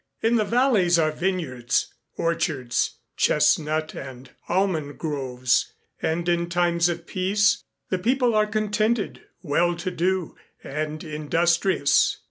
In the valleys are vineyards, orchards, chestnut and almond groves and in times of peace, the people are contented, well to do and industrious.